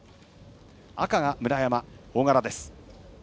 赤が村山、大柄です。